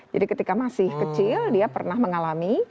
jadi ketika masih kecil dia pernah mengalami